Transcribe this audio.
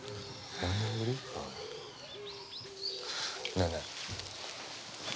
ねえねえ。